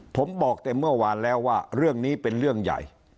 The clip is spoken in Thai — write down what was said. ผมบอกแต่เมื่อวานแล้วว่าเรื่องนี้เป็นเรื่องใหญ่